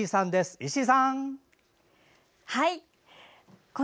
石井さん。